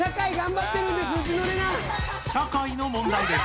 社会の問題です。